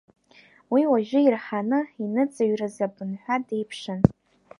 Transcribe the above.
Уи уажәы ирҳаны иныҵыҩрыз абынҳәа деиԥшын.